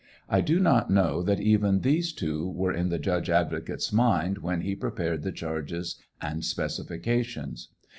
I do not know that even these two were in the judge advocate's mind when he prepared the charges and specifications.